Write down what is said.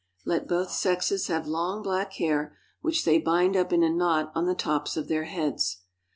Let both sexes have long black hair, which they bind up in a knot on the tops of their heads.